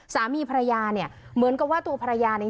สามีภรรยาเนี่ยเหมือนกับว่าตัวภรรยาเนี่ย